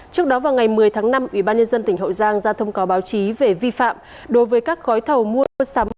trước đó vào ngày một mươi tháng năm ủy ban nhân dân tỉnh hậu giang ra thông cáo báo chí về vi phạm đối với các gói thầu mua sắm